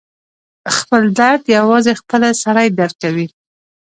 خپل درد یوازې خپله سړی درک کوي.